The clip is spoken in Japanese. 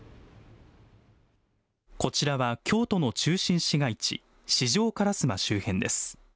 こちらは京都の中心市街地、四条烏丸周辺です。